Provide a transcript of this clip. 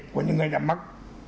của những người đã mắc